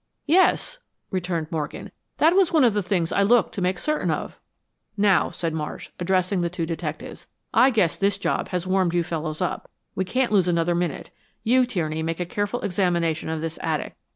"Yes," returned Morgan. "That was one of the things I looked to make certain of." "Now," said Marsh, addressing the two detectives, "I guess this job has warmed you fellows up. We can't lose another minute. You, Tierney, make a careful examination of this attic.